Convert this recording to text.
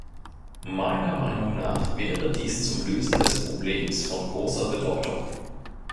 Meiner Meinung nach wäre dies zum Lösen des Problems von großer Bedeutung.